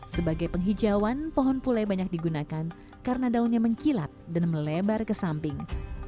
sebagai penghijauan pohon pule banyak digunakan karena daunnya mengkilap dan melebar ke samping